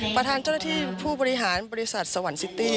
ประธานเจ้าหน้าที่ผู้บริหารบริษัทสวรรค์ซิตี้